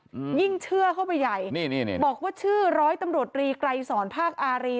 อืมยิ่งเชื่อเข้าไปใหญ่นี่นี่บอกว่าชื่อร้อยตำรวจรีไกรสอนภาคอารี